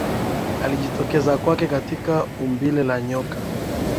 alijitokeza kwake katika umbile la nyoka